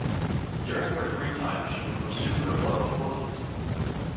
During her free time she would pursue her love of horses.